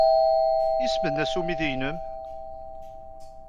Isem-nnes umidi-nnem?